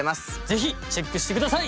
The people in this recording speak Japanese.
ぜひチェックして下さい！